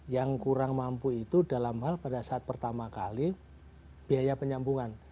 yang kurang mampu itu dalam hal pada saat pertama kali biaya penyambungan